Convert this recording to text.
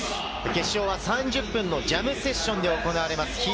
決勝は３０分のジャムセッションで行われます。